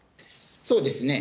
そうですね。